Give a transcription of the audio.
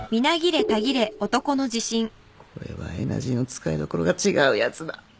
これはエナジーの使いどころが違うやつだ。